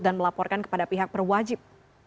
dan melaporkan kepada pihak perwajib